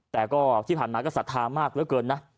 แต่ก็ที่ผ่านมาก็ศรัทธามากเหลือเกินนะ